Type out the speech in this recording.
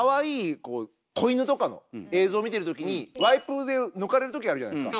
こう子犬とかの映像見てる時にワイプで抜かれる時あるじゃないですか。